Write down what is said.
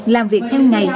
làm việc theo ngày